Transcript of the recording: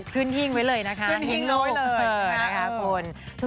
ขึ้นหิ้งไว้เลยนะคะขึ้นหิ้งลงเลย